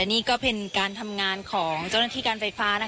นี่ก็เป็นการทำงานของเจ้าหน้าที่การไฟฟ้า